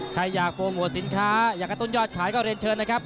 ใครอยากโปรโมทสินค้าอยากกระตุ้นยอดขายก็เรียนเชิญนะครับ